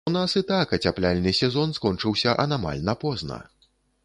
У нас і так ацяпляльны сезон скончыўся анамальна позна.